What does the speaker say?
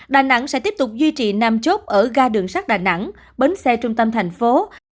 đà nẵng sẽ tiếp tục duy trì năm chốt ở ga đường sắt đà nẵng bến xe trung tâm thành phố